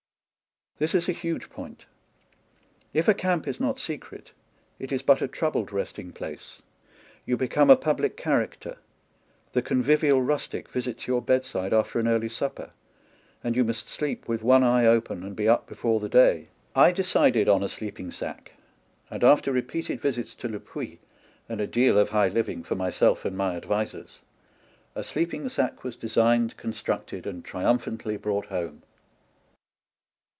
This is a huge point. If a camp is not secret, it is but a troubled resting place ; you become a public char acter ; the convivial rustic visits your bed side after an early supper ; and you must sleep with one eye open, and be up before the day. I decided on a sleeping sack ; and after repeated visits to Le Puy, and a deal of high living for myself and my 5 TRAVELS WITH A DONKEY advisers, a sleeping sack was designed, con structed, and triumphantly brought home.